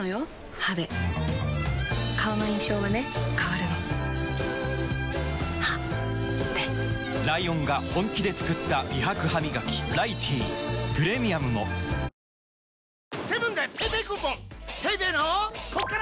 歯で顔の印象はね変わるの歯でライオンが本気で作った美白ハミガキ「ライティー」プレミアムも名誉とは